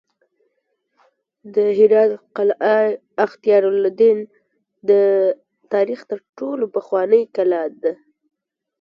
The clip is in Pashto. د هرات قلعه اختیارالدین د تاریخ تر ټولو پخوانۍ کلا ده